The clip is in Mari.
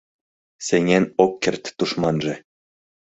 Сеҥен ок керт тушманже.